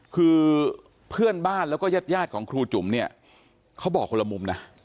คือเพื่อนบ้านแล้วก็ญาติยาดของครูจุ๋มเนี่ยเขาบอกคนละมุมนะ